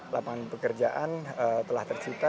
lapangan pekerjaan telah tercipta